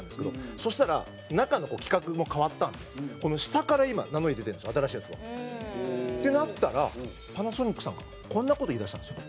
そしたら中の規格も変わったんで下から、今、ナノイー出てるんですよ、新しいやつは。ってなったら、パナソニックさんこんな事、言いだしたんですよ。